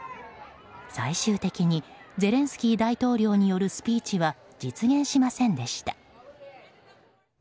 最終的にゼレンスキー大統領によるスピーチは実現しませんでした。